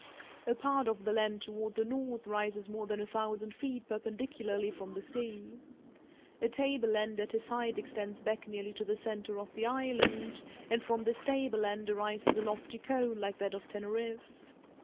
A part of the land toward the north rises more than a thousand feet perpendicularly from the sea. A tableland at this height extends back nearly to the centre of the island, and from this tableland arises a lofty cone like that of Teneriffe.